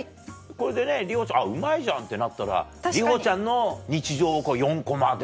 これでね里帆ちゃんうまいじゃんってなったら里帆ちゃんの日常を４コマで。